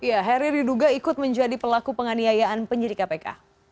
ya heri diduga ikut menjadi pelaku penganiayaan penyidik kpk